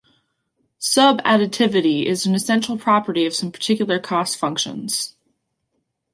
Subadditivity is an essential property of some particular cost functions.